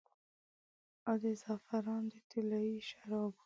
او د زعفران د طلايي شرابو